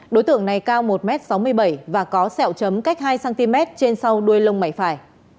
đối tượng này cao một m sáu mươi bảy và có sẹo chấm cách hai cm trên sau đuôi lông mày phải